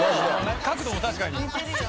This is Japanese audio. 角度も確かに。